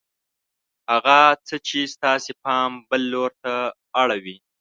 هغه څه چې ستاسې پام بل لور ته اړوي